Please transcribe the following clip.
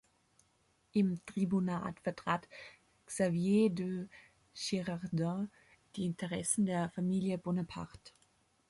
Im Tribunat vertrat Xavier de Girardin die Interessen der Familie Bonaparte.